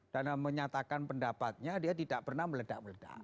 dan menyatakan pendapatnya dia tidak pernah meledak meledak